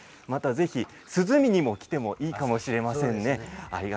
ぜひ涼みに来てもいいかもしれませんね。